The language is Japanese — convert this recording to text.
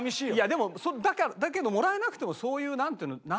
いやでもだけどもらえなくてもそういうなんていうの？